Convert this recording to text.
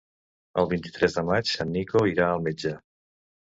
El vint-i-tres de maig en Nico irà al metge.